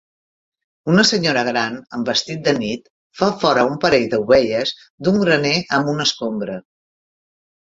Una senyora gran amb vestit de nit fa fora un parell d'ovelles d'un graner amb una escombra.